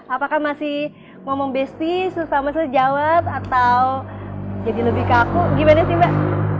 apakah masih ngomong besti selama sela jawab atau jadi lebih kaku gimana sih mbak